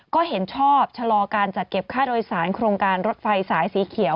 ก็เห็นชอบชะลอการจัดเก็บค่าโดยสารโครงการรถไฟสายสีเขียว